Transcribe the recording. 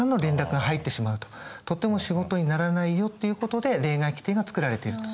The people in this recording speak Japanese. とても仕事にならないよっていうことで例外規定が作られていると。